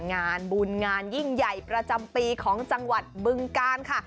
งานบุญงานยิ่งใหญ่ประจำปีของจังหวัดบึงกาลค่ะ